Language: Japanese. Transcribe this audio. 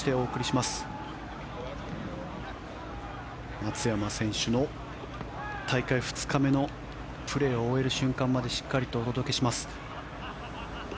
松山選手の大会２日目のプレーを終える瞬間までしっかりとお届けします。